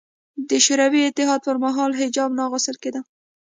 د شوروي اتحاد پر مهال حجاب نه اغوستل کېده